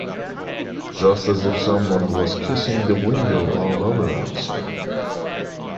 Just as if some one was kissing the window all over outside.